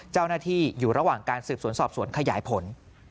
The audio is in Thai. เจ้าหน้าที่อยู่ระหว่างการสืบสวนสอบสวนขยายผล